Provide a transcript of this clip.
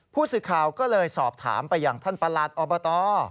ผู้สื่อข่าวก็เลยสอบถามไปอย่างท่านประหลัดอบต